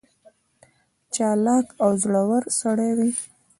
چالاک او زړه ور سړی وي.